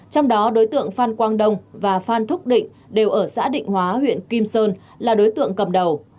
trong đó đối tượng phan quang đông và phan thúc định đều ở xã định hóa huyện kim sơn là đối tượng cầm đầu